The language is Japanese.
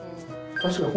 確かに。